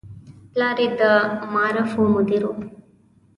پلار یې د معارفو مدیر و.